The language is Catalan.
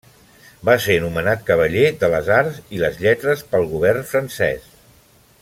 Va ser nomenat cavaller de les Arts i les Lletres pel govern francès.